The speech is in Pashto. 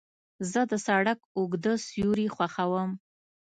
زه د سړک اوږده سیوري خوښوم.